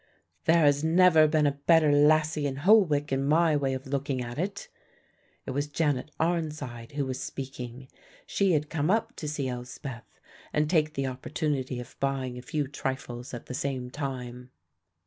"There has never been a better lassie in Holwick is my way of looking at it." It was Janet Arnside who was speaking; she had come up to see Elspeth, and take the opportunity of buying a few trifles at the same time.